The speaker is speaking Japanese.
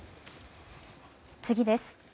次です。